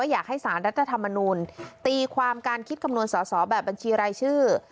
อยากให้สารรัฐธรรมนูลตีความการคิดคำนวณสอสอแบบบัญชีรายชื่อ